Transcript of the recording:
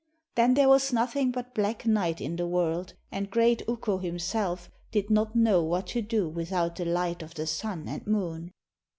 Then there was nothing but black night in the world, and great Ukko himself did not know what to do without the light of the Sun and Moon.